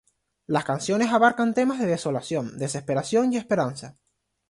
Las canciones abarcan temas de desolación, desesperación y esperanza.